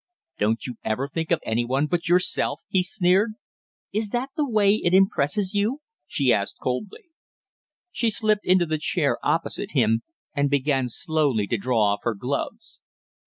"Don't you ever think of any one but yourself?" he sneered. "Is that the way it impresses you?" she asked coldly. She slipped into the chair opposite him and began slowly to draw off her gloves.